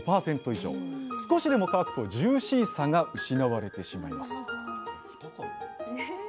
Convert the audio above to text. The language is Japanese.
少しでも乾くとジューシーさが失われてしまいます